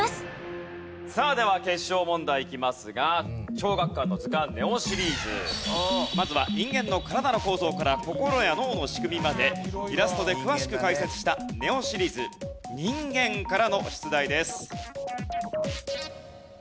さあでは決勝問題いきますが『小学館の図鑑ＮＥＯ』シリーズ。まずは人間の体の構造から心や脳の仕組みまでイラストで詳しく解説した『ＮＥＯ』シリーズ『人間』からの出題です。